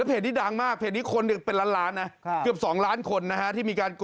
ไม่เกี่ยวเลยนี่คือแม่ปองของจริง